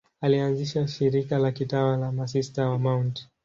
Alianzisha shirika la kitawa la Masista wa Mt.